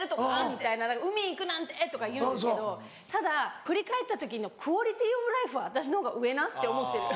みたいな「海行くなんて」とか言うんですけどただ振り返った時のクオリティーオブライフは私のほうが上な！って思ってる。